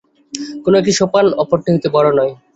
কোন একটি সোপান অপরটি হইতে বড় নয়।